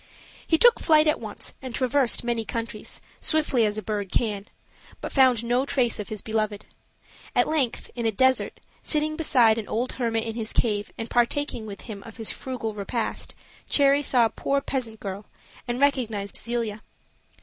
He took flight at once and traversed many countries, swiftly as a bird can, but found no trace of his beloved. At length in a desert, sitting beside an old hermit in his cave and par taking with him his frugal repast, Cherry saw a poor peasant girl and recognized Zelia.